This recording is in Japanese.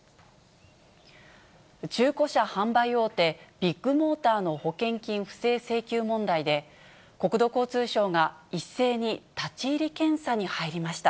中古車販売大手、ビッグモーターの保険金不正請求問題で、国土交通省が一斉に立ち入り検査に入りました。